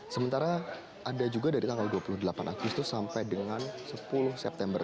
sementara ada juga dari tanggal dua puluh delapan agustus sampai dengan sepuluh september